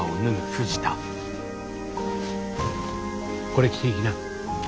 これ着て行きな。